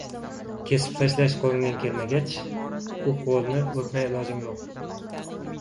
• Kesib tashlash qo‘lingdan kelmagach, u qo‘lni o‘pmay ilojing yo‘q.